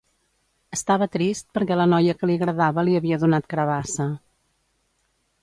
Estava trist perquè la noia que li agradava li havia donat carabassa